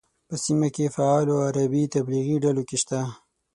په سیمه کې فعالو عربي تبلیغي ډلو کې شته.